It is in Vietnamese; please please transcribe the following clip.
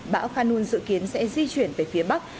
bão khanun dự kiến sẽ di chuyển về phía bắc